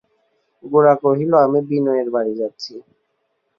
গোরা কহিল, আমি বিনয়ের বাড়ি যাচ্ছি।